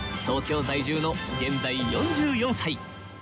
東京在住の現在４４歳。